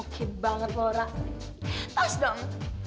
oke banget laura tos dong